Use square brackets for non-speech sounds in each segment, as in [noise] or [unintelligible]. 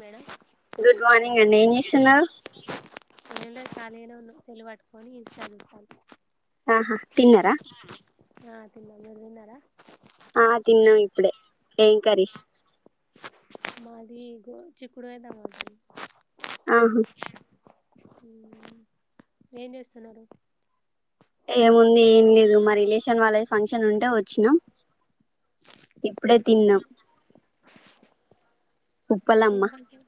madam good morning అండి ఏం జేసున్నారు ఏం లేదు ఖాళీగనే వున్న సెల్ వట్టుకొని చదువుతన్న ఆహా తిన్నర ఆ తిన్న మీర్ తిన్నరా ఆ తిన్నం ఇప్పుడే ఏం కరి మాది గో చిక్కుడు టమాట ఆహ ఊ ఏం చేస్తున్నారు ఏముంది ఏం లేదు మా రిలేషన్ వాళ్ళది ఫంక్షన్ ఉంటే వచ్చినా ఏ ఫంక్షను ఏం ఉప్పలమ్మ ఫంక్షన్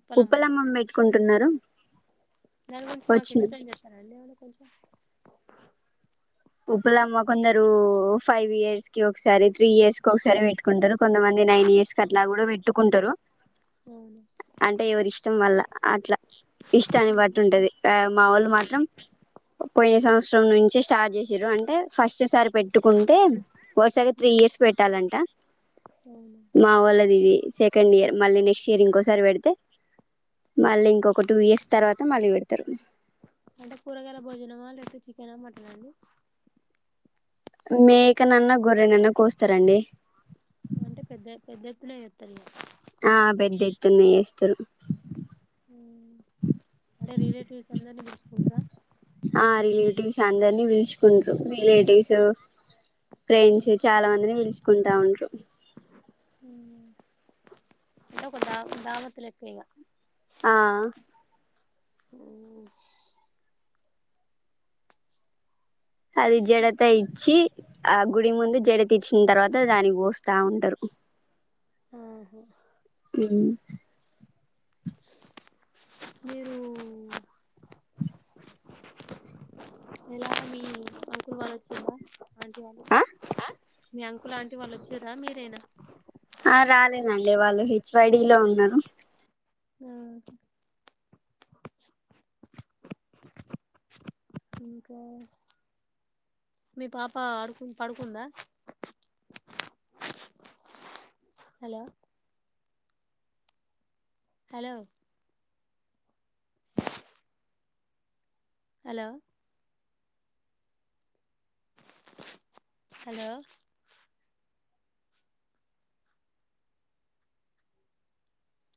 ఉప్పలమ్మనా ఉప్పలమ్మం పెట్టుకుంటున్నరు దాని గురించి మాకు ఎక్సప్లయిన్ చేస్తారండి ఏమన్న కొంచెం ఉప్పలమ్మ కొందరు ఫైవ్ ఇయర్స్ కి ఒకసారి త్రీ ఇయర్స్ కి ఒకసారి పెట్టుకుంటారు కొంతమంది నైన్ ఇయర్స్ కట్లా కూడా పెట్టుకుంటారు అవునా అంటే ఎవరిష్టం వల్ల అట్లా ఇష్టాన్ని బట్టి ఉంటది మా వోళ్ళు మాత్రం పోయిన సంవత్సరం నుంచే స్టార్ట్ చేస్ జీరో అంటే ఫస్ట్ సారి పెట్టుకుంటే వరుసగా త్రీ ఇయర్స్ పెట్టాలంట అవునా మా వాళ్ళది ఇది సెకండ్ ఇయర్ మళ్ళీ నెక్స్ట్ ఇయర్ ఇంకోసారి పెడితే మళ్ళీ ఇంకొక టూ ఇయర్స్ తర్వాత మళ్ళీ పెడతారు అంటే కూరగాయల భోజనమా లేపోతే చికెనా మటనా అండి మేకనన్న గొర్రెనన్నా కూస్తారండి అంటే పెద్ద పెద్ద ఎత్తులే ఎస్తారు ఆ పెద్ద ఎత్తున చేస్తారు హ్మ్మ్ ఆ రిలేటివ్స్ అందరిని వోల్చ్ కంట్లో రిలేటివ్సు ఫ్రెండ్స్ చాలా మందిని పిలుచుకుంటా ఉంటారు ఉహు అదో దావతులెక్కు ఇగ ఆ ఉమ్ అది జడత ఇచ్చి ఆ గుడి ముందు జడ తిచ్చిన తర్వాత దానికి పోస్తా ఉంటారు ఆహా ఉమ్ మీరు ఎలా మీ అంకుల్ వాళ్ళు వచ్చిర్ర ఆంటీ వాళ్ళు ఆ మీ అంకులు ఆంటీ వాళ్ళు వచ్చిర్ర మీరేనా ఆ రాలేదండి వాళ్ళు హెచ్ వైడి లో ఉన్నారు ఆ ఇంకా మీ పాప ఆడుకు పడుకుందా hello hello hello hello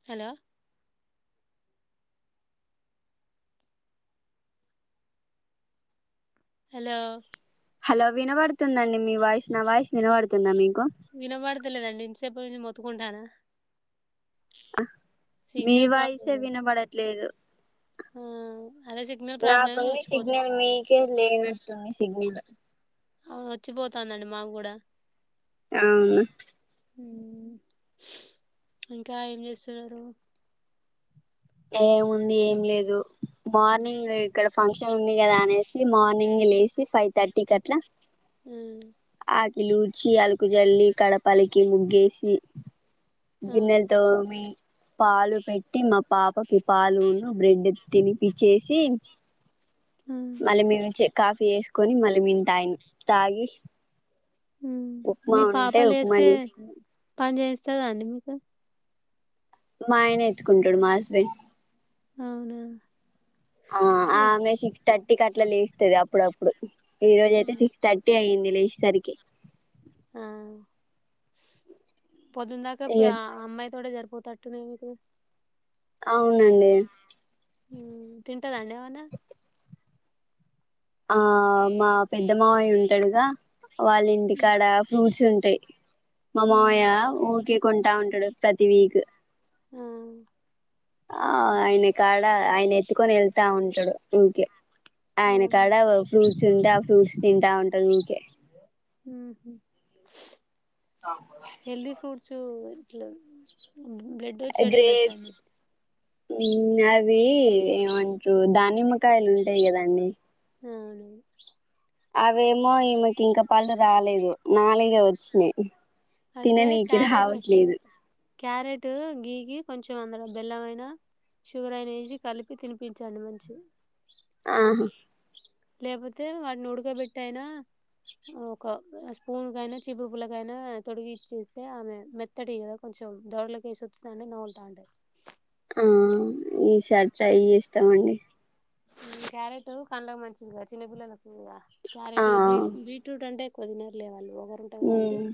hello hello hello వినబడుతుందండి మీ వాయిస్ నా వాయిస్ వినబడుతుందా మీకు వినబడతలేదండి ఇంతసేపట్నుంచి మొత్తుకుంటానా ఆ మీ సిగ్నల్ ప్రాబ్లం వాయిసే కావచ్చు వినబడట్లేదు ఆ అదే సిగ్నల్ ప్రాబ్లమే నాకుంది వచ్చిపోతాం సిగ్నల్ మీకే లేనట్టుంది సిగ్నల్ అవును వచ్చిపోతానండి మాకు కూడా అవును ఉమ్ ఇంకా ఏం చేస్తున్నారు ఏముంది ఏం లేదు మార్నింగ్ ఇక్కడ ఫంక్షన్ ఉంది కదా అనేసి మార్నింగే లేసి ఫైవ్ థర్టీ కట్లా ఉల్ ఆకులుడ్చి అలకు జెల్లీ కడప అలికి ముగ్గేసి అవును గిన్నెలతోమీ పాలు పెట్టి మా పాపకి పాలును బ్రెడ్ తినిపిచ్చేసి ఉమ్, మళ్ళీ మేము కాఫీ చేసుకొని మళ్ళీ మేను తాగినం తాగి ఉమ్ ఉప్మా మీ పాప ఉంటే ఉప్మా లేస్తే చేసుకున్నాం పని చేస్తందండి మీకు మా ఆయనేత్తుకుంటూడు మా హస్బెండ్ అవునా ఆ ఎ ఆమె సిక్స్ థర్టీకి అట్లా లేస్తుది అప్పుడప్పుడు ఈ రోజ అయితే సిక్స్ థర్టీ అయింది లేచేసరికి ఆ పొద్దున్ దాక ఇగ ఆ అమ్మాయి తోటే సరిపోతట్టు ఉంది మీకు అవును మే తింటదండి ఏమన్నా ఆ మా పెద్ద మావయ్య ఉంటాడుగా వాళ్ళ ఇంటికాడ ఫ్రూట్స్ ఉంటాయి మా ఉమ్, మామయ్య ఊరికే కొంటా ఉంటా ప్రతి వీక్ నవును ఆ ఆయన కాడ ఆయన ఎత్తుకొని వెళ్తా ఉంటాడు ఊకే ఆ ఆయన కాడ ఫ్రూట్స్ ఉంటే ఆ ఫ్రూట్స్ తింటా ఉంటది ఊకే మ్మ్ హెల్ది ఫ్రూట్స్ ఇట్లా బ్లెడ్డో [unintelligible] బెట్టామా మ్మ్ అవి ఏమంటారు దానిమ్మకాయలు ఉంటాయి కదండి అవును అవేమో ఈమెకి ఇంకా పళ్ళు రాలేదు నాలుగె వచ్చినాయి అయితే తినానికి క్యారెట్ రావట్లేదు క్యారెట్ గీకి కొంచెం అందలో బెల్లమైన షుగర్ అయినేసి కలిపి తినిపించండి మంచిగా ఆహా లేకపోతే వాటిని ఉడుకబెట్టా అయినా ఒక స్పూన్ కైన చిపురు పుల్లకైనా తొడిగి ఇచ్చేస్తే ఆమె మెత్తటిది కదా కొంచెం దొడలకేసి వొత్తుతాంటే నములుతాంటది ఆ ఈసారి ట్రై చేస్తామండి క్యారెట్ పండ్లకు మంచిది కదా చిన్నపిల్లలుకు క్యారెట్ ఆ బీ బీట్రూట్ అంటే పొయినారులే వాళ్ళు ఒకరు ఉంటాం కాబట్టి ఉమ్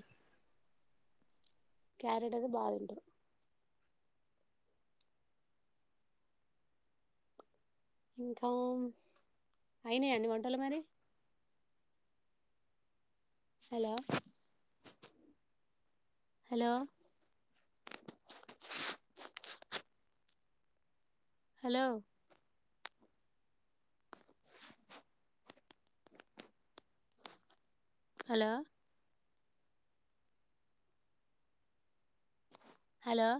క్యారెట్ అయితే బాగ తింటాది ఇంకా అయినాయ అండి వంటలు మరి hello hello hello hello hello